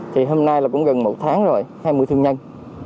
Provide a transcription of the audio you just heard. thì hôm nay là cũng gần một tháng rồi hai mươi thương nhân